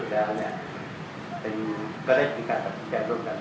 เพราะว่าการก่อสร้างในพฤษฎีสุนเทพหมากก่อนเนี่ย